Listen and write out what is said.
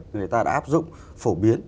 người ta đã áp dụng phổ biến